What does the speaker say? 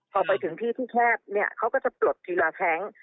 พอไปถึงที่ที่แคบเนี่ยเขาก็จะปลดทีละแท้ง